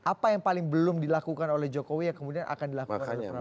apa yang paling belum dilakukan oleh jokowi yang kemudian akan dilakukan oleh prabowo